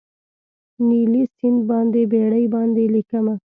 نیلي سیند باندې بیړۍ باندې لیکمه